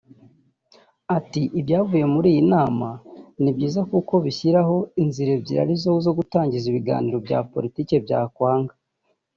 ati”Ibyavuye muri iyi nama ni byiza kuko bishyiraho inzira ebyiri ari zo gutangiza ibiganiro bya politiki byakwanga